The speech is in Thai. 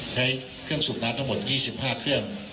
ใช้เครื่องสูบน้ำทั้งหมด๒๕เครื่อง